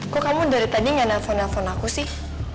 kok kamu dari tadi nggak nelfon nelfon aku sih